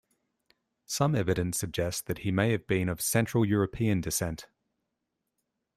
Some evidence suggests that he may have been of central European descent.